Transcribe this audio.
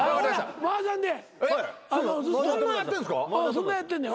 そんなやってんねん。